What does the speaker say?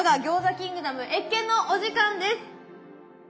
キングダム謁見のお時間です。